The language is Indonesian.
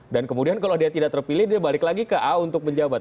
dan kemudian kalau dia tidak terpilih dia balik lagi ke a untuk menjabat